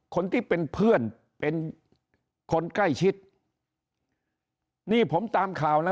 คนที่เป็นเพื่อนเป็นคนใกล้ชิดนี่ผมตามข่าวนะ